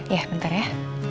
iya bentar ya